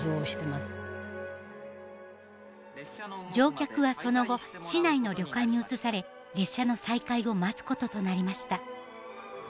乗客はその後市内の旅館に移され列車の再開を待つこととなりました。